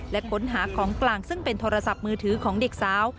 และค้นหาของกลางซึ่งเป็นโทรศัพท์มือถือของเด็กสาว